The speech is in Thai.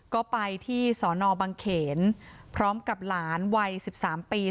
ก็ไปที่สนบังเขนพร้อมกับหลานวัย๑๓ปี